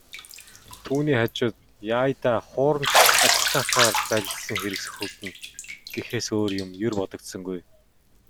Түүний хажууд "яая даа, хуурамч аттестатаар залилсан хэрэг сөхөгдөнө" гэхээс өөр юм ер бодогдсонгүй.